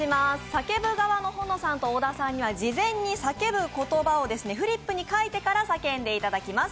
叫ぶ側の保乃さんと小田さんには事前に叫ぶ言葉をフリップに書いてから叫んでいただきます。